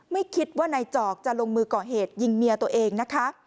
ไม่คิดว่านายจอกจะลงมือก่อเหตุยิงเมียตัวเองนะคะ